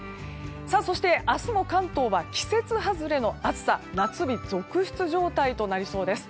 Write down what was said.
そして、明日も関東は季節外れの暑さ夏日続出状態となりそうです。